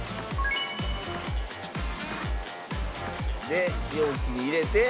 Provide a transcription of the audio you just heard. で容器に入れて。